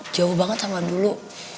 jauh banget sama dulu